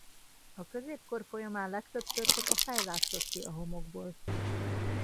A középkor folyamán legtöbbször csak a fej látszott ki a homokból.